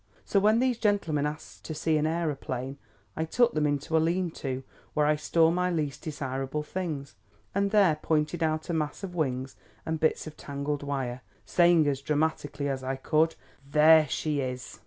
So when these gentlemen asked to see an aeroplane, I took them into a lean to where I store my least desirable things, and there pointed out a mass of wings and bits of tangled wire, saying as dramatically as I could: 'There she is!'